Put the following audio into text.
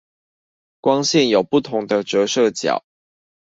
光線有不同的折射角